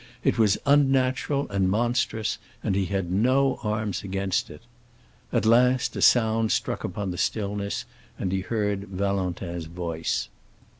It was unnatural and monstrous, and he had no arms against it. At last a sound struck upon the stillness, and he heard Valentin's voice.